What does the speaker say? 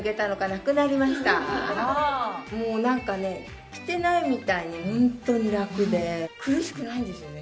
もうなんかね着てないみたいにホントにラクで苦しくないんですよね。